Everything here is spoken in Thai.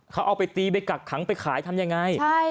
เขาเอาไปตีไปกักขังไปขายทำยังไง